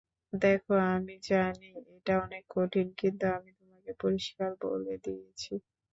দেখো আমি জানি এটা অনেক কঠিন কিন্তু আমি তোমাকে পরিষ্কার বলে দিয়েছি।